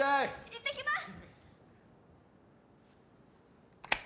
いってきます！